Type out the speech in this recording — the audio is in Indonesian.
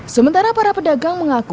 sementara para pedagang mengaku